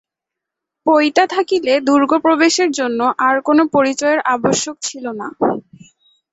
পইতা থাকিলে দুর্গপ্রবেশের জন্য আর কোনো পরিচয়ের আবশ্যক ছিল না।